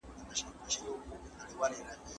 سهار به څرنګه بې واکه اونازک لاسونه